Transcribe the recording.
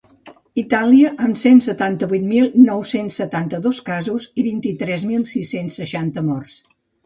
Itàlia, amb cent setanta-vuit mil nou-cents setanta-dos casos i vint-i-tres mil sis-cents seixanta morts.